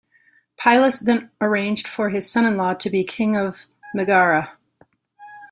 Pylas then arranged for his son-in-law to be king of Megara.